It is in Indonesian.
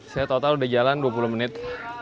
saya total udah jalan dua puluh menit